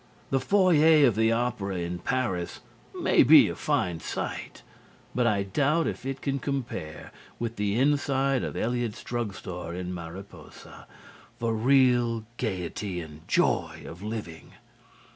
The foyer of the opera in Paris may be a fine sight, but I doubt if it can compare with the inside of Eliot's drug store in Mariposa for real gaiety and joy of living.